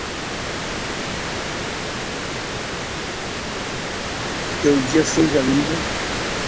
Vamos discutir o roadmap do projeto na próxima reunião.